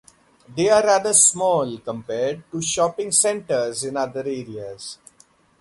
They are rather small compared to shopping centers in other areas.